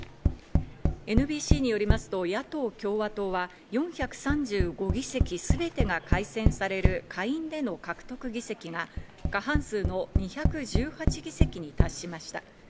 ＮＢＣによりますと野党・共和党は、４３５議席全てが改選される下院での獲得議席が過半数の２１８議席に達しました。